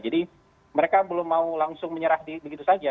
jadi mereka belum mau langsung menyerah begitu saja